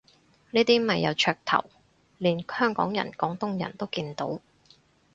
呢個咪有噱頭，連香港人廣東人都見到